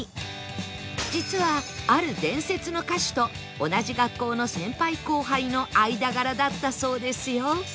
実はある伝説の歌手と同じ学校の先輩後輩の間柄だったそうですよ